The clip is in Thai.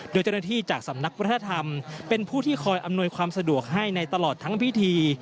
โดยเจ้าหน้าที่จากสำนักวัฒนธรรมเป็นผู้ที่คอยอำนวยความสะดวกให้ในตลอดทั้งพิธี